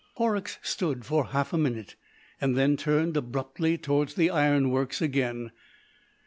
Horrocks stood for half a minute, then turned abruptly towards the ironworks again.